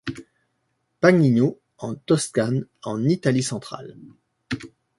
Pagnino, en Toscane, en Italie centrale.